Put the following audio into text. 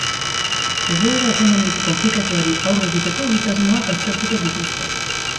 Egoera ekonomiko konplikatuari aurre egiteko egitasmoak aztertuko dituzte.